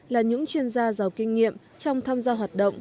là những chuyên gia giàu kinh nghiệm trong tham gia hoạt động